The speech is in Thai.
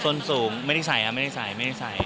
สนสูงไม่ได้ใส่ครับไม่ได้ใส่ไม่ได้ใส่